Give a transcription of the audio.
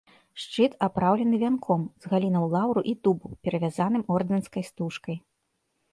Шчыт апраўлены вянком з галінаў лаўру і дубу, перавязаным ордэнскай стужкай.